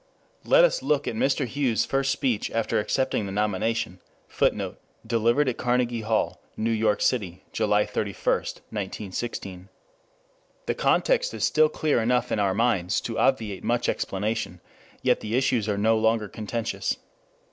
Let us look at Mr. Hughes' first speech after accepting the nomination. [Footnote: Delivered at Carnegie Hall, New York City, July 31, 1916.] The context is still clear enough in our minds to obviate much explanation; yet the issues are no longer contentious.